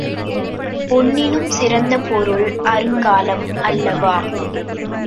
பொன்னினும் சிறந்த பொருள் அருங்காலம், அல்லவா?